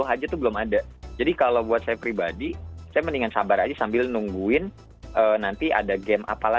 aja tuh belum ada jadi kalau buat saya pribadi saya mendingan sabar aja sambil nungguin nanti ada game apalah